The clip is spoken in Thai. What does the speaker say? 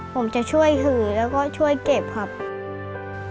ผมจะช่วยหือและก็ช่วยเก็บคำว่า